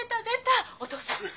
お父さん。